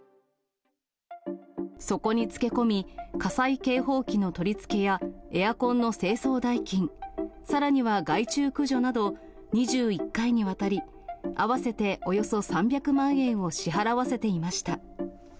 そこにつけこみ、火災警報器の取り付けやエアコンの清掃代金、さらには害虫駆除など、２１回にわたり、合わせておよそ３００万円を支払わせていました。